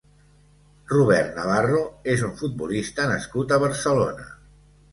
Robert Navarro és un futbolista nascut a Barcelona.